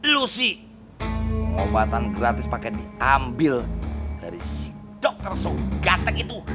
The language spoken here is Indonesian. lu si pengobatan gratis pake diambil dari si dokter so gatek itu